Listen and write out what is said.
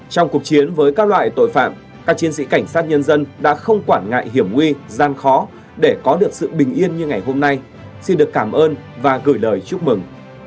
trong cuộc chiến với các loại tội phạm các chiến sĩ cảnh sát nhân dân đã không quản ngại hiểm nguy gian khó để có được sự bình yên như ngày hôm nay xin được cảm ơn và gửi lời chúc mừng